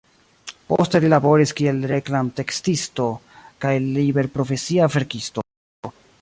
Poste li laboris kiel reklamtekstisto kaj liberprofesia verkisto.